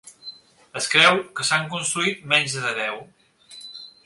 Es creu que s'han construït menys de deu.